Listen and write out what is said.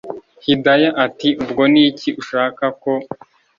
hidaya ati”ubwo niki ushaka ko